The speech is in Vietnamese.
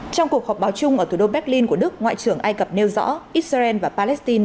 trong cuộc họp báo chung ở thủ đô berlin của đức ngoại trưởng ai cập nêu rõ israel và palestine